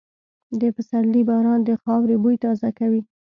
د پسرلي باران د خاورې بوی تازه کوي.